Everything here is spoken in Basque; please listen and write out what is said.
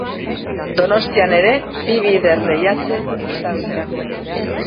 Donostian ere bi bider lehiatzen izan zen.